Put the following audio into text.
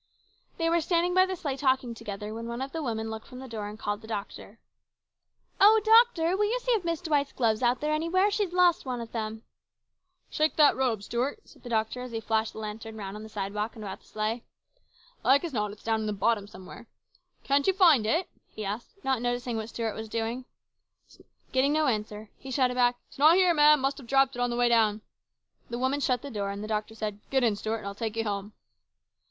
They were standing by the sleigh talking together when one of the women looked from the door and called the doctor. " Oh, doctor, will you see if Miss Dwight's glove is out there anywhere ? She's lost one of them." " Shake that robe, Stuart," said the doctor as he COMPLICATIONS. 195 flashed the lantern round on the sidewalk and about the sleigh. " Like as not it's down in the bottom somewhere. Can't you find it ?" he asked, not noticing what Stuart was doing. Getting no answer, he shouted back, " It's not here, ma'am ! Must have dropped it on the way down." The woman shut the door and the doctor said, "Get in, Stuart, and I'll take you home."